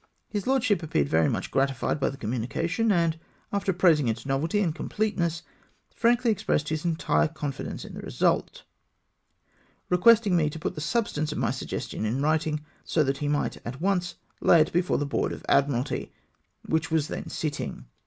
His lordship appeared very much gratified by the communication, and after praising its novelty and completeness, frankly expressed his entire confidence in the result, requesting me to put the substance of my suggestion in writing, so that he might at once lay it before the Board of Admiralty, which was then sitting.